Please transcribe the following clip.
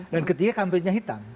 dan ketiga kampanye hitam